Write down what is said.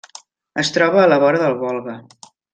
Es troba a la vora del Volga.